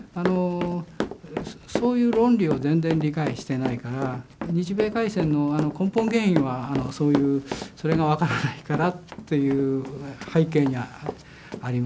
そういう論理を全然理解してないから日米開戦の根本原因はそういうそれが分からないからっていう背景がありますけど。